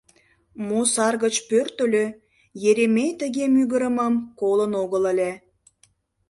Мо сар гыч пӧртыльӧ, Еремей тыге мӱгырымым колын огыл ыле.